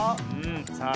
さあ